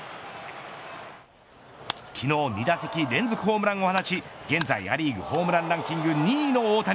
昨日２打席連続ホームランを放ち現在ア・リーグホームランランキング２位の大谷。